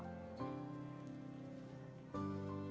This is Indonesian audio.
assalamualaikum warahmatullahi wabarakatuh